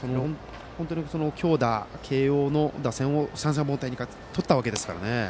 強打慶応の打線を三者凡退にとったわけですからね。